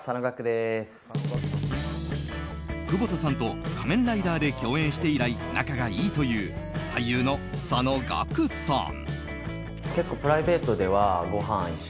久保田さんと「仮面ライダー」で共演して以来仲がいいという俳優の佐野岳さん。